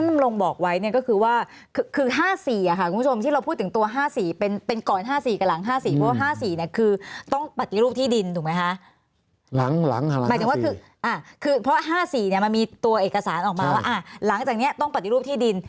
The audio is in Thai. น้ำลงบอกไว้เนี่ยก็คือว่าคือห้าสี่อะค่ะคุณผู้ชมที่เราพูดถึงตัวห้าสี่เป็นเป็นก่อนห้าสี่กับหลังห้าสี่เพราะว่าห้าสี่เนี่ยคือต้องปฏิรูปที่ดินถูกไหมคะหลังหลังค่ะหลังห้าสี่หมายถึงว่าคืออ่ะคือเพราะห้าสี่เนี่ยมันมีตัวเอกสารออกมาว่าอ่าหลังจากเนี่ยต้องปฏิรูปที่ดิน